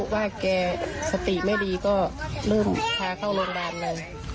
ว่าแกสติไม่ดีก็เริ่มพาเข้าโรงพยาบาลไป